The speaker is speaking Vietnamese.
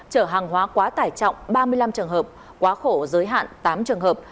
chở hàng hóa quá tải trọng ba mươi năm trường hợp quá khổ giới hạn tám trường hợp